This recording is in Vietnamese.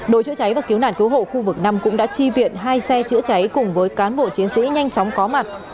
đội chữa cháy và cứu nạn cứu hộ khu vực năm cũng đã chi viện hai xe chữa cháy cùng với cán bộ chiến sĩ nhanh chóng có mặt